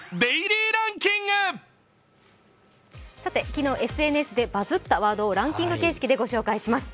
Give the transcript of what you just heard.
昨日ＳＮＳでバズったワードをランキング形式でご紹介します。